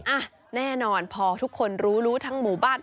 อ่ะแน่นอนพอทุกคนรู้รู้ทั้งหมู่บ้าน